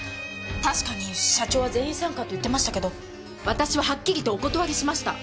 確かに社長は全員参加と言ってましたけど私ははっきりとお断りしました。